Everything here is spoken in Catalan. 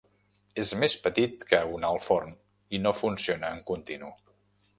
És més petit que un alt forn i no funciona en continu.